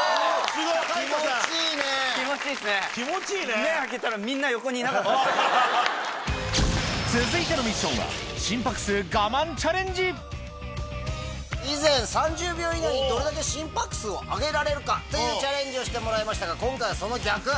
ウルトラソウル続いてのミッションは以前３０秒以内にどれだけ心拍数を上げられるかというチャレンジをしてもらいましたが今回はその逆。